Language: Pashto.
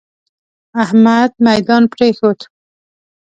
احمد ميدان پرېښود.